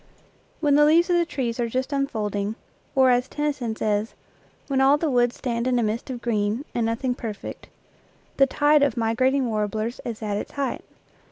When the leaves of the trees are just unfolding, or, as Tennyson says, " When all the woods stand in a mist of green. And nothing perfect," the tide of migrating warblers is at its height.